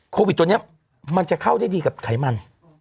ตัวนี้มันจะเข้าได้ดีกับไขมัน